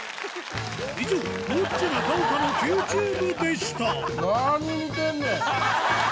以上「ロッチ中岡のＱＴｕｂｅ」でした何見てんねん！